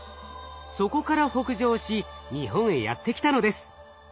そこから北上し日本へやって来たのです。